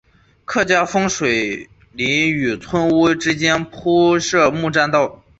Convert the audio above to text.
客家风水林与村屋群之间铺设木栈道。